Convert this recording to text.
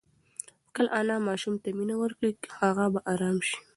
که انا ماشوم ته مینه ورکړي هغه به ارام شي.